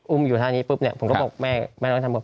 อุ้มอยู่ทางนี้ปุ๊บเนี่ยผมก็บอกแม่น้องเนธัน